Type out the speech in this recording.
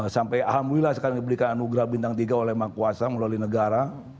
sampai alhamdulillah sekarang diberikan anugerah bintang tiga oleh mangkuasa melalui negara